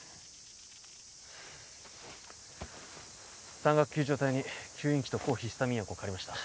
山岳救助隊に吸引器と抗ヒスタミン薬を借りました